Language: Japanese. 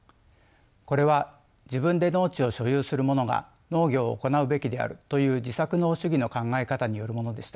これは自分で農地を所有する者が農業を行うべきであるという自作農主義の考え方によるものでした。